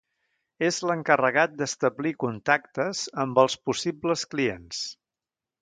És l'encarregat d'establir contactes amb els possibles clients.